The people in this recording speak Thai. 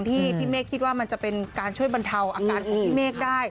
ที่พี่เมฆคิดว่ามันจะเป็นการช่วยบรรเทาอาการของพี่เมฆได้